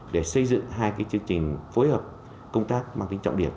để xây dựng hai chương trình phối hợp công tác mang tính trọng điểm